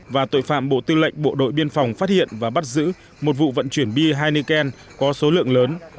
và tội phạm bộ tư lệnh bộ đội biên phòng phát hiện và bắt giữ một vụ vận chuyển bia heineken có số lượng lớn